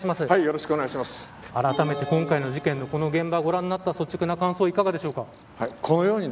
あらためて今回の事件の現場ご覧になった率直な感想、いかがですか。